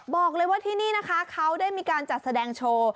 บอกเลยว่าที่นี่นะคะเขาได้มีการจัดแสดงโชว์